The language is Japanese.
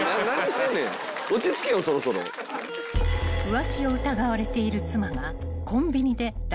［浮気を疑われている］